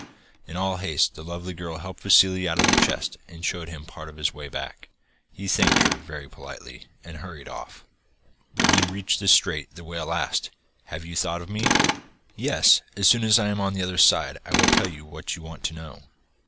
In all haste the lovely girl helped Vassili out of the chest, and showed him part of his way back. He thanked her very politely, and hurried off. When he reached the strait the whale asked: 'Have you thought of me?' 'Yes, as soon as I am on the other side I will tell you what you want to know.